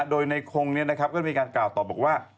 โดยในคงก็มีการกล่าวตอบบอกว่า